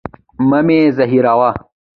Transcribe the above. مه مي زهيروه.